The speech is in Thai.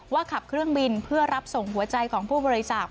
ขับเครื่องบินเพื่อรับส่งหัวใจของผู้บริจาค